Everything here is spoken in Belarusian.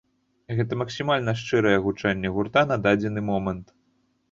Гэта максімальна шчырае гучанне гурта на дадзены момант.